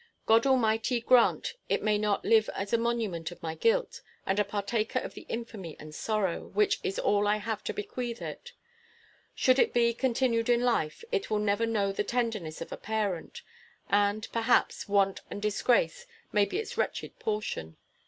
God Almighty grant it may not live as a monument of my guilt, and a partaker of the infamy and sorrow, which is all I have to bequeath it. Should it be continued in life, it will never know the tenderness of a parent; and, perhaps, want and disgrace may be its wretched portion.